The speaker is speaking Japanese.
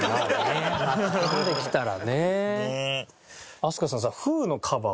飛鳥さんさ。